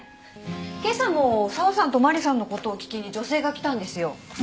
けさも沢さんとマリさんのことを聞きに女性が来たんですよ。